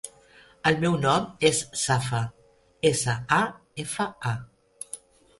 El meu nom és Safa: essa, a, efa, a.